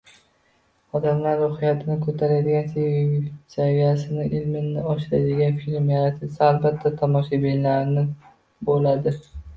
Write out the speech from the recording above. Odamlar ruhiyatini ko‘taradigan, saviyasini, ilmini oshiradigan film yaratilsa, albatta, tomoshabini bo‘ladi